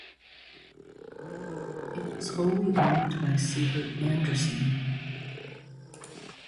It was wholly owned by Sievert Andersson.